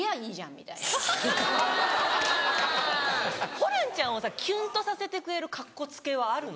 ホランちゃんをさキュンとさせてくれるカッコつけはあるの？